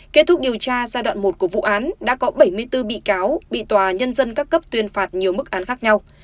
kết thúc điều tra giai đoạn một của vụ án đã có bảy mươi bốn bị cáo bị tòa nhân dân các cấp tuyên phạt nhiều mức án khác nhau